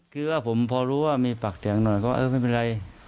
คือว่าผมพอรู้ว่ามีปากเสียงหน่อยก็เออไม่เป็นไร